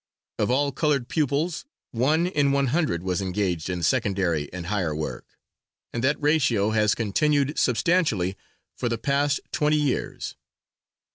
Of all colored pupils, one (1) in one hundred was engaged in secondary and higher work, and that ratio has continued substantially for the past twenty years.